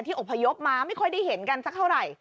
อบพยพมาไม่ค่อยได้เห็นกันสักเท่าไหร่